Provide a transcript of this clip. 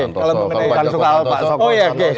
kalau mengenai soal pak joko santoso